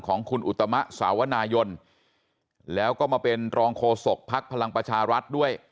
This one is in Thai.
ของคุณอุตมะสาวนายนแล้วก็มาเป็นรองโฆษกภักดิ์พลังประชารัฐด้วย